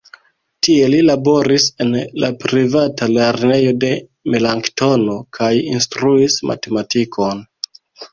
Tie li laboris en la privata lernejo de Melanktono kaj instruis matematikon.